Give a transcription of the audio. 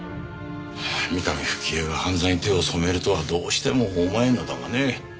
三上冨貴江が犯罪に手を染めるとはどうしても思えんのだがね。